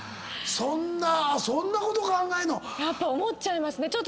そんなそんなこと考えんの⁉やっぱ思っちゃいますね。